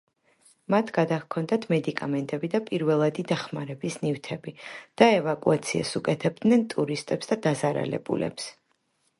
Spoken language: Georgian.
მათ გადაჰქონდათ მედიკამენტები და პირველადი დახმარების ნივთები და ევაკუაციას უკეთებდნენ ტურისტებს და დაზარალებულებს.